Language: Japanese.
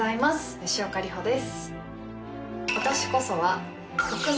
吉岡里帆です。